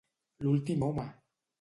L'últim Home!